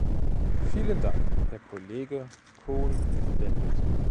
Vielen Dank, Herr Kollege Cohn-Bendit!